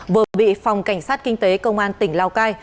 vừa bị phòng cảnh sát kinh tế công an tỉnh lào cai